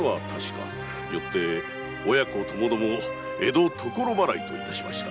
よって親子ともども江戸所払いと致しました。